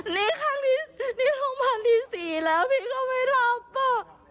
นี่โรงพยาบาลที่๔แล้วพี่เค้าไม่หลับอ่ะ